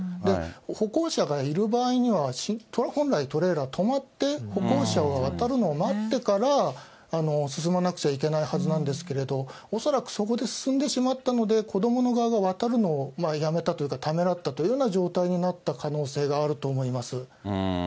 歩行者がいる場合には、本来、トレーラー止まって、歩行者が渡るのを待ってから、進まなくちゃいけないはずなんですけれども、恐らくそこで進んでしまったので、子どもの側は渡るのをやめたというか、ためらったというような状態になった可能性があると思います。